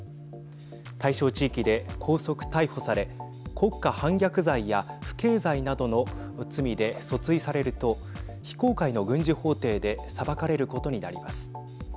対象地域で拘束・逮捕され国家反逆罪や不敬罪などの罪で訴追されると非公開の軍事法廷で裁かれることになります。